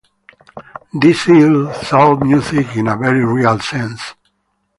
This is soul music in a very real sense.